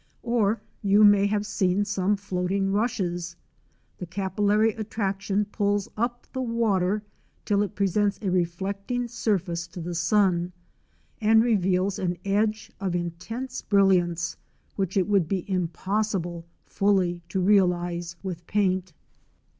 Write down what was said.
Or you may have seen some floating rushes. The capillary attraction pulls up the water till it presents a reflecting surface to the sun, and reveals an edge of intense brilliance which it would be impossible fully to realise with paint.